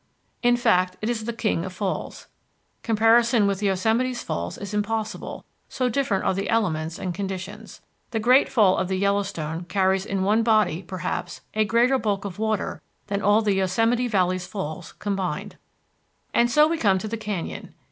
In fact, it is the King of Falls. Comparison with Yosemite's falls is impossible, so different are the elements and conditions. The Great Fall of the Yellowstone carries in one body, perhaps, a greater bulk of water than all the Yosemite Valley's falls combined. And so we come to the canyon.